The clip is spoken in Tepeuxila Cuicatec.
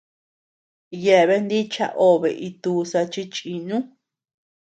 Yeaben nicha obe itduza chi chinu.